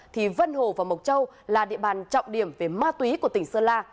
thì vân hồ và mộc châu là địa bàn trọng điểm về ma túy của tỉnh sơn la